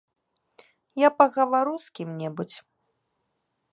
Я пагавару з кім-небудзь.